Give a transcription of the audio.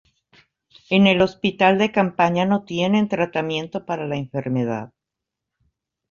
En el hospital de campaña no tienen tratamiento para la enfermedad.